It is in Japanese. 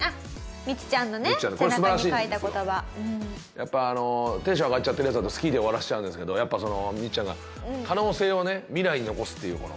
やっぱテンション上がっちゃってるヤツほど好きで終わらせちゃうんですけどやっぱミチちゃんが可能性をね未来に残すっていうこの。